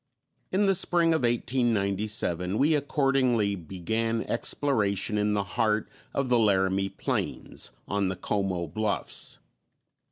In the spring of 1897 we accordingly began exploration in the heart of the Laramie Plains, on the Como Bluffs.